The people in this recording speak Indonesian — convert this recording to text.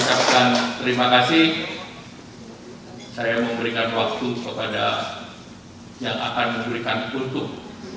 dan terima kasih saya memberikan waktu kepada yang akan memberikan kultuh